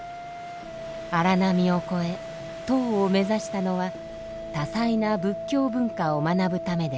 荒波を越え唐を目指したのは多彩な仏教文化を学ぶためでした。